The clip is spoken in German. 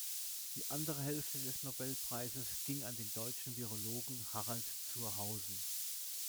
Die andere Hälfte des Nobelpreises ging an den deutschen Virologen Harald zur Hausen.